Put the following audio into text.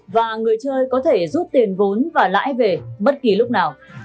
và người chơi có thể rút tiền vốn và lãi về bất kỳ lúc nào